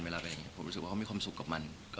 ผมรู้สึกว่าเขามีความสุขกับมัน